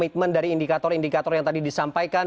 jadi indikator indikator yang tadi disampaikan